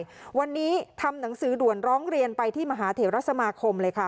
ทั้งวันนี้ทำหนังสือด่วนร้องเรียนไปที่มหาเทวราชสมาคม